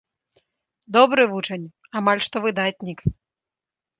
Добры вучань, амаль што выдатнік.